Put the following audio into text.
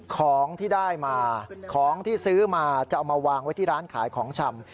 ของที่ได้มาของที่ซื้อมาจะเอามาวางไว้ที่ร้านขายของชำ